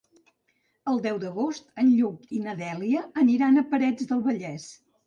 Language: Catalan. El deu d'agost en Lluc i na Dèlia aniran a Parets del Vallès.